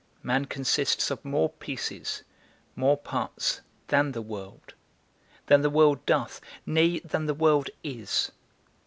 Man consists of more pieces, more parts, than the world; than the world doth, nay, than the world is.